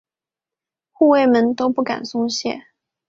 护卫们都不敢松懈。